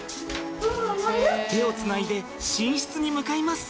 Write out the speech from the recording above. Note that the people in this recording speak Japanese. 手をつないで寝室に向かいます。